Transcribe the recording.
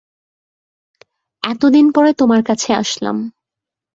এত দিন পরে তোমার কাছে আসলাম।